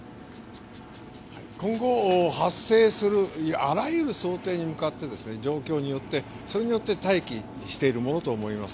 今後、発生するあらゆる想定に向かって状況によって、それによって待機しているものと思います。